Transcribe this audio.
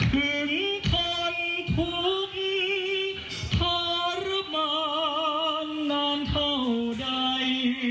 ถึงทนทุกข์ทรมานนานเท่าใด